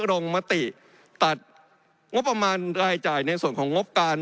ลงมติตัดงบประมาณรายจ่ายในส่วนของงบการ